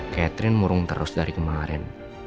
catherine murung terus dari kemarin